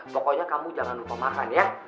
pokoknya kamu jangan lupa makan ya